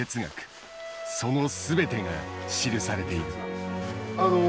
その全てが記されている。